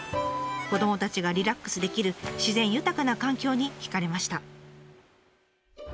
子どもたちがリラックスできる自然豊かな環境に惹かれました。